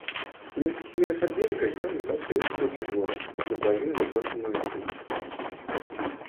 В нескольких метрах от берега я увидал человеческую фигуру, наполовину засосанную тиной.